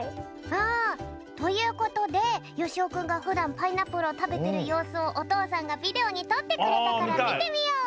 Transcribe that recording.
うん。ということでよしおくんがふだんパイナップルをたべてるようすをおとうさんがビデオにとってくれたからみてみよう！